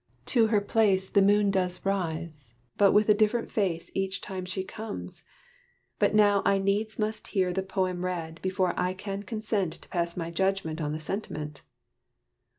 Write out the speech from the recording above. To her place The moon does rise but with a different face Each time she comes. But now I needs must hear The poem read, before I can consent To pass my judgment on the sentiment."